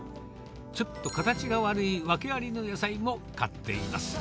ちょっと形が悪い訳ありの野菜も買っています。